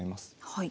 はい。